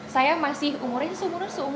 saya masih umurnya seumuran kita enam belas tahun